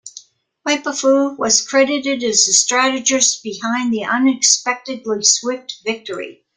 Wu Peifu was credited as the strategist behind the unexpectedly swift victory.